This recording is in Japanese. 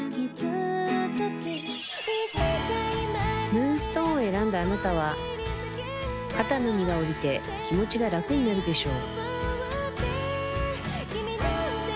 ムーンストーンを選んだあなたは肩の荷が下りて気持ちが楽になるでしょう